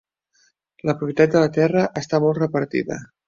La propietat de la terra està molt repartida.